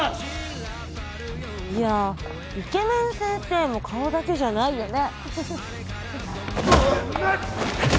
いやイケメン先生も顔だけじゃないよね。